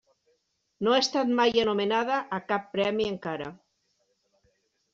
No ha estat mai anomenada a cap premi encara.